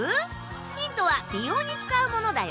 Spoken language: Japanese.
ヒントは美容に使うものだよ。